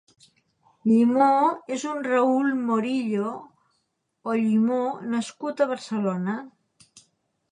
Llimoo és un raúl Morillo o Llimoo nascut a Barcelona.